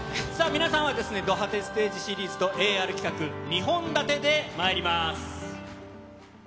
皆さんはですね、ド派手ステージシリーズと、ＡＲ企画２本立てでまいります。